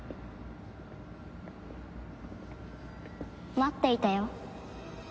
待っていたよ。